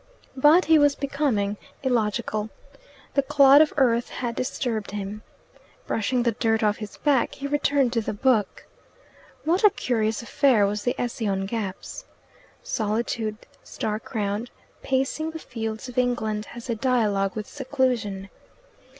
But he was becoming illogical. The clod of earth had disturbed him. Brushing the dirt off his back, he returned to the book. What a curious affair was the essay on "Gaps"! Solitude, star crowned, pacing the fields of England, has a dialogue with Seclusion.